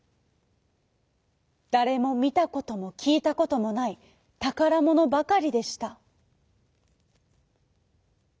だれもみたこともきいたこともないたからものばかりでした。